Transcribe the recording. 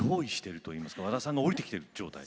和田さんが降りてきている状態。